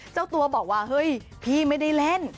เจ้าตัวบอกว่าเฮ้ยพี่ไม่ได้เล่น